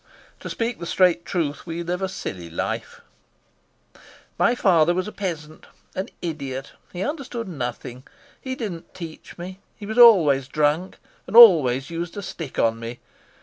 To speak the straight truth, we live a silly life. My father was a peasant, an idiot, he understood nothing, he didn't teach me, he was always drunk, and always used a stick on me.